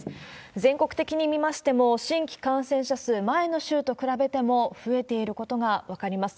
全国的に見ましても、新規感染者数、前の週と比べても、増えていることが分かります。